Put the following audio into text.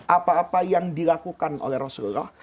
apa apa yang dilakukan oleh rasulullah